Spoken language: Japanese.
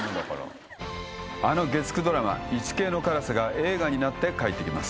あの月９ドラマ『イチケイのカラス』が映画になって帰ってきます。